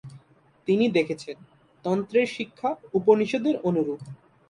তিনি দেখেছেন, তন্ত্রের শিক্ষা উপনিষদের অনুরূপ।